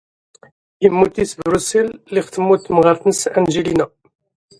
After his wife Angelina dies he moves to Brussels.